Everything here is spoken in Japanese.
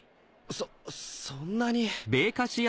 そそんなに。